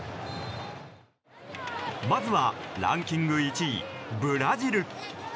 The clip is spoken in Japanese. まずは、ランキング１位ブラジル。